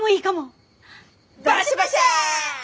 バシャバシャ！